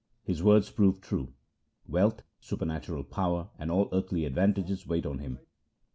His words prove true ; wealth, supernatural power, and all earthly advantages wait on him.